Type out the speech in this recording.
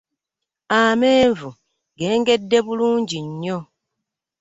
Amenvu gengedde bulungi nnyo.